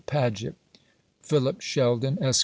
PAGET. PHILIP SHELDON, Esq.